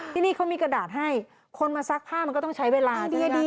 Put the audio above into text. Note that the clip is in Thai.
ที่นี่เขามีกระดาษให้คนมาซักผ้ามันก็ต้องใช้เวลา